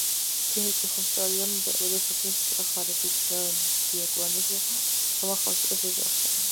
დიმიტრი ხოშტარია დაიბადა სოფლის ღარიბი დიაკვნის თომა ხოშტარიას ოჯახში.